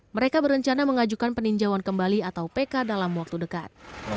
mereka berencana mengajukan peninjauan kembali atau pk dalam waktu dekat